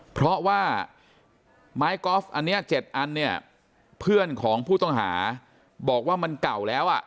เพราะว่าไม้กอล์ฟอันนี้๗อันเนี่ยเพื่อนของผู้ต้องหาบอกว่ามันเก่าแล้วอ่ะ